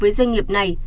với doanh nghiệp này